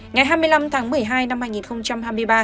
ngày hai mươi năm tháng một mươi hai năm hai nghìn hai mươi ba